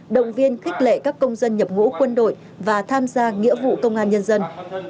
động viên khích lệ các công dân nhập ngũ quân đội và tham gia nghĩa vụ công an nhân dân